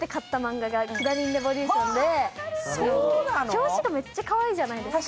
表紙がめっちゃかわいいじゃないですか。